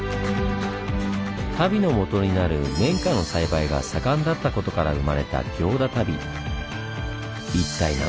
足袋のもとになる綿花の栽培が盛んだったことから生まれた行田足袋。